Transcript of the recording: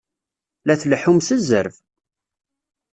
La tleḥḥum s zzerb!